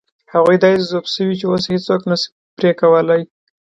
هغوی داسې ذوب شوي چې اوس یې هېڅوک نه شي پرې کولای.